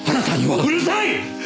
うるさい！